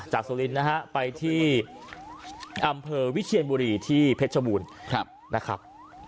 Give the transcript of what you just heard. สุรินทร์นะฮะไปที่อำเภอวิเชียนบุรีที่เพชรบูรณ์นะครับ